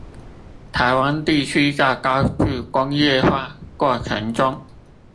台灣地區在高速工業化過裎中